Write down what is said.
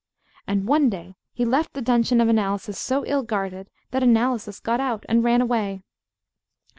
And one day he left the dungeon of Analysis so ill guarded, that Analysis got out and ran away.